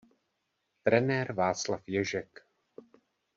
Trenér Václav Ježek.